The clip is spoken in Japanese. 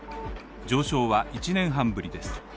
上昇は１年半ぶりです。